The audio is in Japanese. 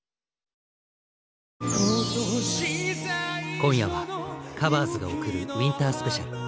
今夜は「ＴｈｅＣｏｖｅｒｓ」が贈る「ウインタースペシャル」。